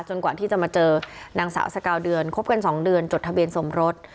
กว่าที่จะมาเจอนางสาวสกาวเดือนคบกัน๒เดือนจดทะเบียนสมรส